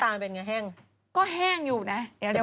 ตอนนี้ลูกหน้าตาเป็นยังไงแห้ง